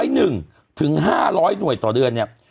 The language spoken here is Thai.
หนึ่งถึง๕๐๐หน่วยต่อเดือนเนี่ย